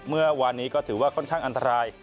เมื่อวานนี้ก็ถือว่าค่อนข้างอันตราย